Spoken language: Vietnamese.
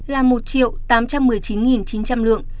là một triệu tám trăm một mươi chín chín trăm linh lượng